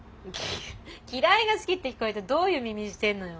嫌いが好きって聞こえてどういう耳してんのよ。